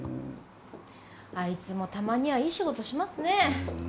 あいつもたまにはいい仕事しますね。